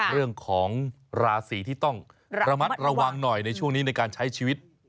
เรื่องของราศีที่ต้องระมัดระวังหน่อยในช่วงนี้ในการใช้ชีวิต